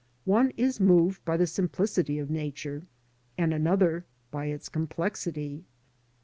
One is moved by the sim plicity of Nature, and another by its complexity.